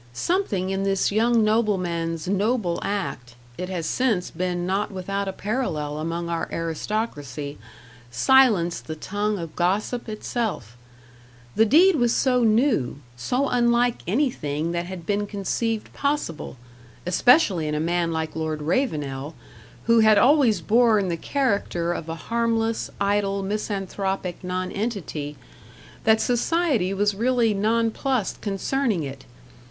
Something in this young nobleman's noble act it has since been not without a parallel among our aristocracy silenced the tongue of gossip itself. The deed was so new so unlike anything that had been conceived possible, especially in a man like Lord Ravenel, who had always borne the character of a harmless, idle misanthropic nonentity that society was really nonplussed concerning it.